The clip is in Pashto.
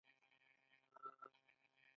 آیا د انار ګل میله په کندهار کې نه جوړیږي؟